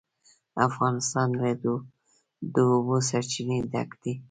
افغانستان له د اوبو سرچینې ډک دی.